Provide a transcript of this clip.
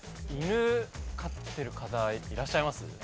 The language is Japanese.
犬飼ってる方いらっしゃいます？